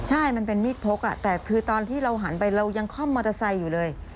ใช่มันเป็นมีดพกแต่คือตอนที่เราหันไปเรายังค่อมมอเตอร์ไซค์อยู่เลย